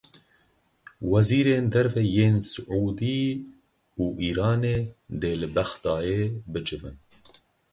Wezîrên derve yên Siûdî û Îranê dê li Bexdayê bicivin.